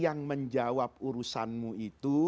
yang menjawab urusanmu itu